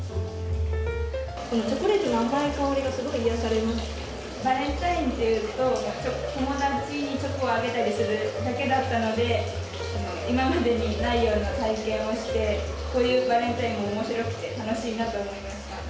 チョコレートの甘い香りがすバレンタインっていうと、友達にチョコあげたりするだけだったので、今までにないような体験をして、こういうバレンタインもおもしろくて、楽しいなと思いました。